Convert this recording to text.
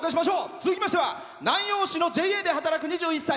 続きましては南陽市のＪＡで働く２１歳。